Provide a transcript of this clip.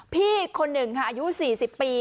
พี่คนหนึ่งค่ะอายุ๔๐ปี